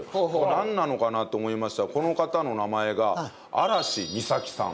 なんなのかなと思いましたらこの方の名前が嵐美咲さん。